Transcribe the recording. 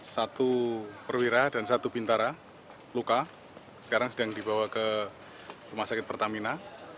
satu perwira dan satu bintara luka sekarang sedang dibawa ke rumah sakit pertamina